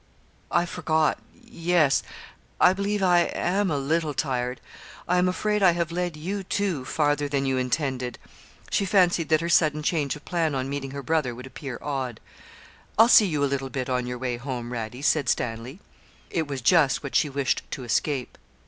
'I forgot yes I believe I am a little tired; I'm afraid I have led you, too, farther than you intended.' She fancied that her sudden change of plan on meeting her brother would appear odd. 'I'll see you a little bit on your way home, Radie,' said Stanley. It was just what she wished to escape.